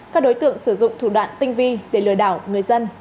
các đối tượng sử dụng thủ đoạn tinh vi để lừa đảo người dân